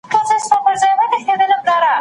بشعر حافط و آهنګ چنګ و نی حافظ